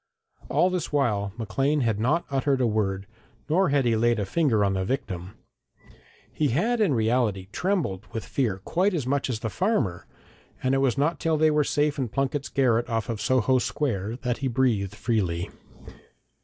All this while Maclean had not uttered a word, nor had he laid a finger on the victim. He had in reality trembled with fear quite as much as the farmer, and it was not till they were safe in Plunket's garret off Soho Square that he breathed freely.